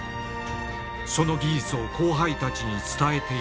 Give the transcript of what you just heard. その技術を後輩たちに伝えていこう！